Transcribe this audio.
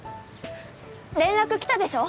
連絡来たでしょ？